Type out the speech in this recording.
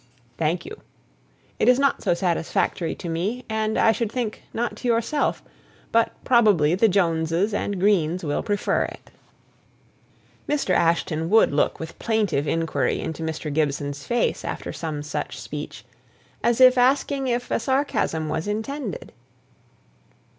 "Thank you. It's not so satisfactory to me; and, I should think, not to yourself. But probably the Joneses and Greens will prefer it." Mr. Ashton would look with plaintive inquiry into Mr. Gibson's face after some such speech, as if asking if a sarcasm was intended.